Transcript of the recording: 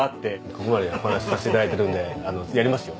ここまでお話させて頂いてるのでやりますよ。